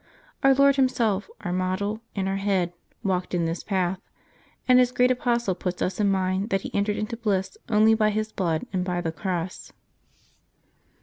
Our Lord Himself, our model and our head, walked in this path, and His great Apostle puts us in mind that He entered into bliss only by His blood and by the cross.